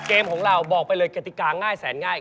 เกมของเราบอกไปเลยกติกาง่ายแสนง่าย